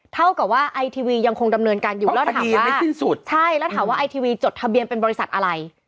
เท่ากับว่าไอทีวียังคงดำเนินการอยู่แล้วถามว่าไอทีวีจดทะเบียนเป็นบริษัทอะไร